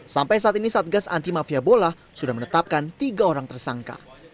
sampai saat ini satgas anti mafia bola sudah menetapkan tiga orang tersangka